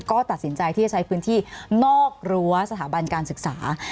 ก็ตัดสินใจที่จะใช้พื้นที่นอกรั้วสถาบันการศึกษา